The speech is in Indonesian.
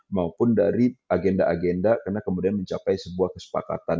maupun dari agenda agenda karena kemudian mencapai sebuah kesepakatan